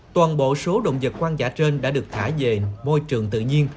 toàn bộ số động vật quan giả trên đã được thả về môi trường tự nhiên